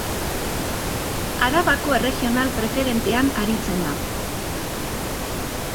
Arabako Erregional Preferentean aritzen da.